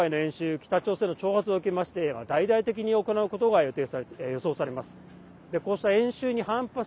北朝鮮の挑発を受けまして大々的に行うことが予想されます。